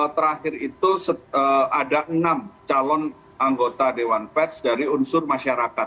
terakhir itu ada enam calon anggota dewan pers dari unsur masyarakat